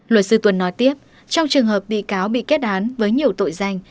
luật sư tuân nói tiếp trong trường hợp bị cáo bị kết án với nhiều tội danh